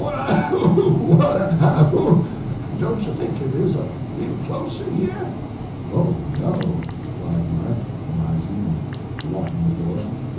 "Wah, hoo, wah, hoo! Don t you think it is a leetle close in here?" "Oh, no," replied Mark, arising and locking the door.